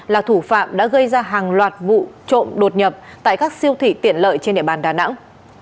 là thủ phạm đã gây ra hàng loạt vụ trộm đột nhập tại các siêu thị tiện lợi trên địa bàn đà nẵng